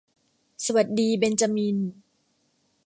สวัสดีเบ็นจามิน